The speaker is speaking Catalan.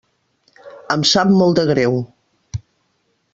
Em sap molt de greu.